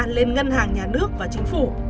lên ngân hàng nhà nước và chính phủ